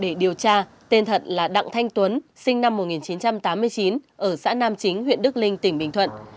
để điều tra tên thật là đặng thanh tuấn sinh năm một nghìn chín trăm tám mươi chín ở xã nam chính huyện đức linh tỉnh bình thuận